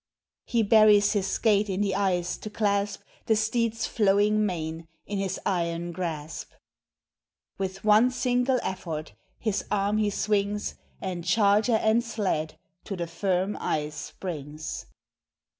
He buries his skate in the ice, to clasp The steed's flowing mane in his iron grasp. With one single effort his arm the swings, And charger and sled to the firm ice brings.